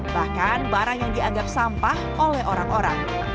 bahkan barang yang dianggap sampah oleh orang orang